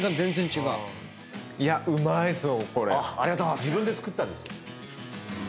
自分で作ったんですよ。